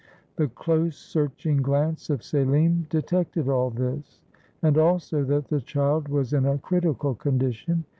The close, searching glance of Selim detected all this ; and also that the child was in a critical condition.